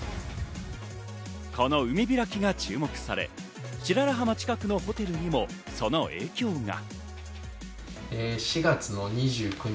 この海開きが注目され、白良浜近くのホテルにもその影響が。